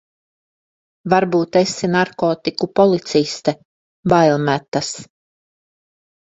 Varbūt esi narkotiku policiste, bail metas.